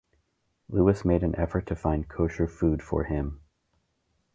Lewis made an effort to find kosher food for him.